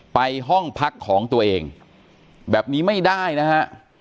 ไปห้องพักของตัวเองแบบนี้ไม่ได้นะฮะ